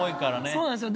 そうなんですよ。